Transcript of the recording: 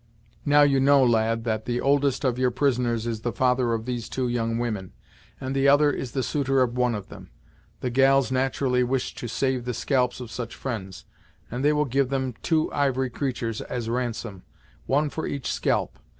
Now you know, lad, that the oldest of your prisoners is the father of these two young women, and the other is the suitor of one of them. The gals nat'rally wish to save the scalps of such fri'nds, and they will give them two ivory creaturs, as ransom. One for each scalp.